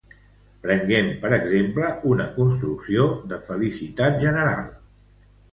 Prenguem, per exemple, una construcció de felicitat general.